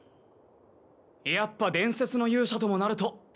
やっぱ伝説の勇者ともなると待遇がいいな。